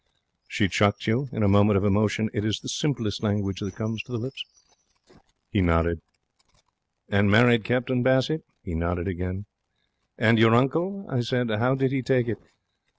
'She chucked you?' In moments of emotion it is the simplest language that comes to the lips. He nodded. 'And married Captain Bassett?' He nodded again. 'And your uncle?' I said. 'How did he take it?'